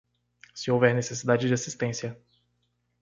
Se houver necessidade de assistência